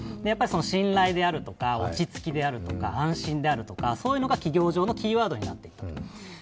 信頼であるとか、落ち着きであるとか、安心であるとかそういうのが企業上のキーワードになってきた。